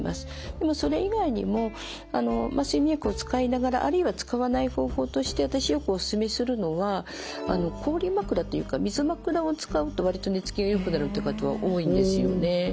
でもそれ以外にも睡眠薬を使いながらあるいは使わない方法として私よくお勧めするのは氷枕というか水枕を使うと割と寝つきがよくなるっていう方は多いんですよね。